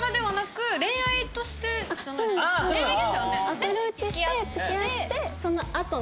アプローチして付き合ってそのあとの。